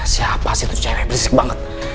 siapa sih itu cewek berisik banget